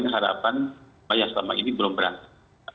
harapan saya selama ini belum berangkat